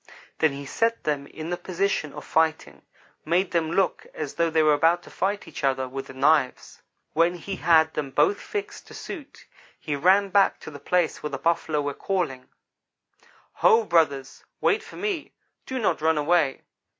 Then he set them in the position of fighting; made them look as though they were about to fight each other with the knives. When he had them both fixed to suit, he ran back to the place where the Buffalo were calling: "'Ho! brothers, wait for me do not run away.